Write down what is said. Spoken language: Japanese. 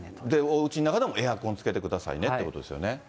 おうちの中でもエアコンつけてくださいねということですよね。